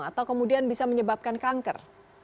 atau kemudian bisa menyebabkan kanker